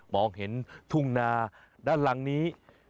มาที่ทุ่งนาด้านหลังนี้